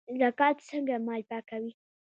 زکات څنګه مال پاکوي؟